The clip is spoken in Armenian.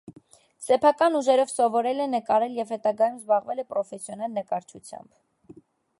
Սեփական ուժերով սովորել է նկարել և հետագայու զբաղվել է պրոֆեսիոնալ նկարչությամբ։